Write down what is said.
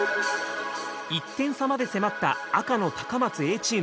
１点差まで迫った赤の高松Ａチーム。